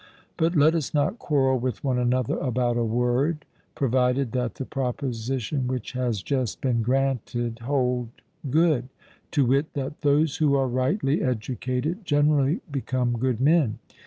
But let us not quarrel with one another about a word, provided that the proposition which has just been granted hold good: to wit, that those who are rightly educated generally become good men.